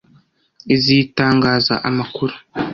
izitangaza amakuru